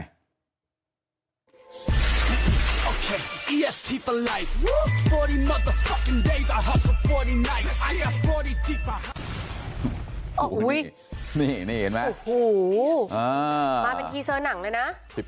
อโห้นี่นี่เห็นมั้ยอูหูอ่ามาเป็นทีเซอร์หนังเลยนะ